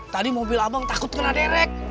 tadi mobil abang takut kena derek